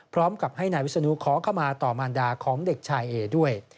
พร้อมกับให้นายวิศนุขอขมาต่อมารดาของเด็กชายเอด้วย